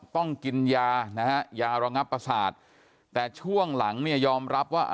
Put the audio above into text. ต้องกินยานะฮะยาระงับประสาทแต่ช่วงหลังเนี่ยยอมรับว่า